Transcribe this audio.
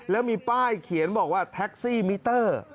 แล้วมีป้ายเขียนบอกว่าแท็กซี่มิเตอร์